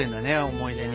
思い出に。